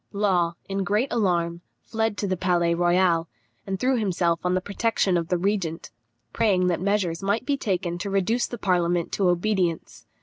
] Law, in great alarm, fled to the Palais Royal, and threw himself on the protection of the regent, praying that measures might be taken to reduce the parliament to obedience.